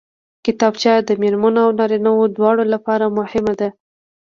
کتابچه د مېرمنو او نارینوو دواړو لپاره مهمه ده